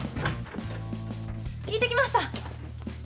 聞いてきました。